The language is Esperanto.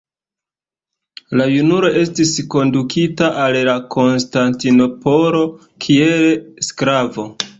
La junulo estis kondukita al Konstantinopolo kiel sklavo.